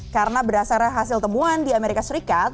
karena berdasarkan hasil temuan di amerika serikat